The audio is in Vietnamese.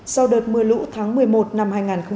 sau đợt mưa lũ tháng một mươi một năm hai nghìn một mươi chín